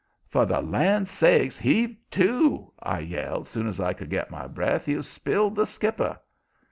"For the land sakes, heave to!" I yelled, soon's I could get my breath. "You've spilled the skipper!"